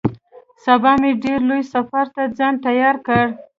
سبا مې ډېر لوی سفر ته ځان تيار کړ.